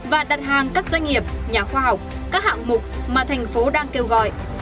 và đặt hàng các doanh nghiệp nhà khoa học các hạng mục mà thành phố đang kêu gọi